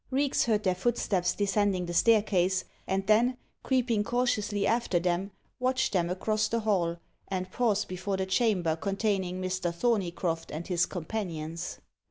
Reeks heard their footsteps descending the staircase, and then, creeping cautiously after them, watched them across the hall, and pause before the chamber containing Mr. Thorneycroft and his companions.